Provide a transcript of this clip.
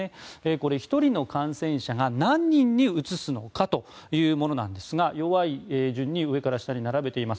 これ、１人の感染者が何人にうつすのかというものなんですが弱い順に上から下に並べています。